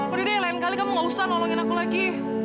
udah deh lain kali kamu gak usah nolongin aku lagi